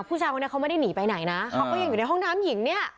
ผู้ชายคนนี้เขาไม่ได้หนีไปไหนนะเขาก็ยังอยู่ในห้องน้ำหญิงเนี่ย